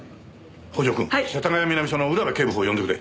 北条君世田谷南署の浦部警部補を呼んでくれ。